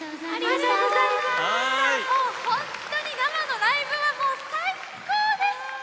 本当に生のライブは最高です！